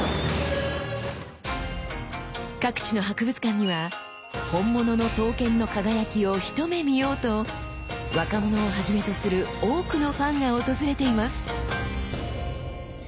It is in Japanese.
各地の博物館には本物の刀剣の輝きを一目見ようと若者をはじめとする多くのファンが訪れています。